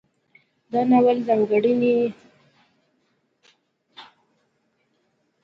د ناول ځانګړنې